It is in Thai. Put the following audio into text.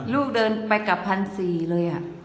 ลูกเดินไปกลับ๑๔๐๐เลย